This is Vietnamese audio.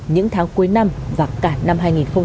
những tháng cuối năm và cả năm hai nghìn một mươi chín